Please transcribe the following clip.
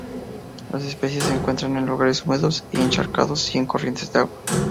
Las especies se encuentran en lugares húmedos y encharcados y en corrientes de agua.